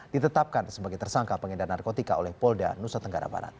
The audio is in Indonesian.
ditetapkan sebagai tersangka pengedar narkotika oleh polda nusa tenggara barat